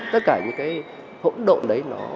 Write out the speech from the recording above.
tất cả những cái hỗn độn đấy